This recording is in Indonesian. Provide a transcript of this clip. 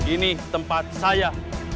ini tempat saya